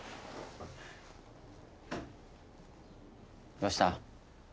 どうした？